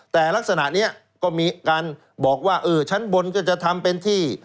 แต่ลักษณะนี้ก็มีการบอกว่าเออชั้นบนก็จะทำเป็นที่